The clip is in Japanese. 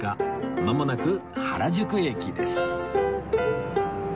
まもなく原宿駅です